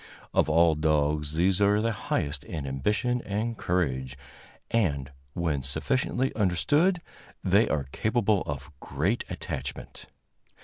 Of all dogs these are the highest in ambition and courage, and, when sufficiently understood, they are capable of great attachment.